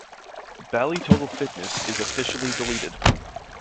Bally Total Fitness is officially deleted.